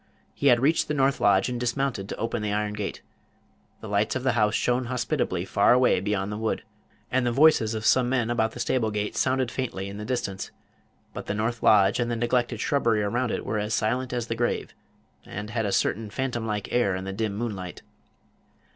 He had reached the north lodge, and dismounted to open the iron gate. The lights of the house shone hospitably far away beyond the wood, and the voices of some men about the stable gates sounded faintly in the distance; but the north lodge and the neglected shrubbery around it were as silent as the grave, and had a certain phantom like air in the dim moonlight.